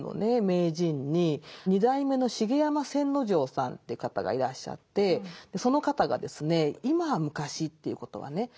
名人に二代目の茂山千之丞さんという方がいらっしゃってその方がですね「今は昔」ということはね